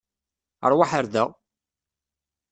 Aṛwaḥ ar da!